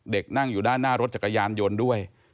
นั่งอยู่ด้านหน้ารถจักรยานยนต์ด้วย